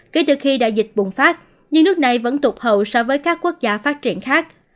kể từ khi đại dịch bùng phát nhưng nước này vẫn tục hậu so với các quốc gia